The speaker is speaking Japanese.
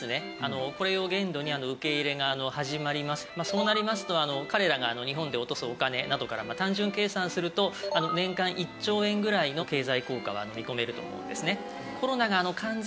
そうなりますと彼らが日本で落とすお金などから単純計算すると年間１兆円ぐらいの経済効果が見込めると思うんですね。